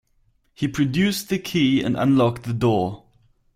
He produced the key and unlocked the door.